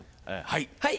はい。